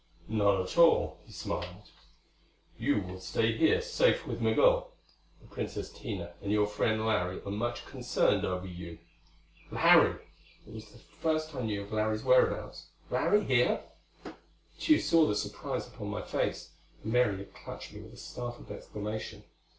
"Not at all," he smiled. "You will stay here, safe with Migul. The Princess Tina and your friend Larry are much concerned over you." Larry! It was the first I knew of Larry's whereabouts. Larry here? Tugh saw the surprise upon my face; and Mary had clutched me with a startled exclamation.